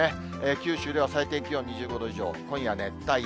九州では最低気温２５度以上、今夜は熱帯夜。